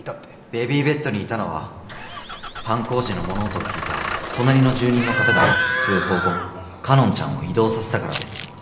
ベビーベッドにいたのは犯行時の物音を聞いた隣の住人の方が通報後佳音ちゃんを移動させたからです。